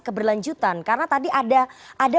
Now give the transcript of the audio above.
keberlanjutan karena tadi ada